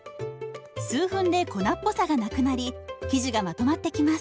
数分で粉っぽさがなくなり生地がまとまってきます。